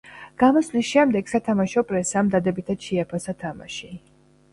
გამოსვლის შემდეგ, სათამაშო პრესამ დადებითად შეაფასა თამაში.